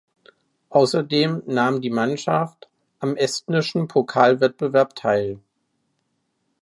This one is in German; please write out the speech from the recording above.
Außerdem nahm die Mannschaft am estnischen Pokalwettbewerb teil.